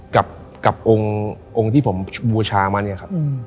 กับองค์ที่ผมบูชามา